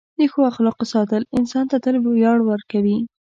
د ښه اخلاقو ساتل انسان ته تل ویاړ ورکوي.